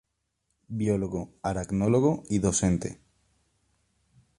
Biólogo, aracnólogo y docente.